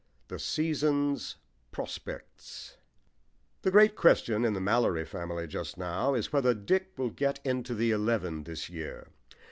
THE SEASON'S PROSPECTS The great question in the Mallory family just now is whether Dick will get into the eleven this year.